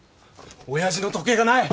親父の時計がない！